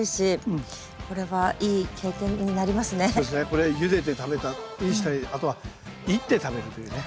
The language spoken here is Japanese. これはゆでて食べたりしたりあとは煎って食べるというね。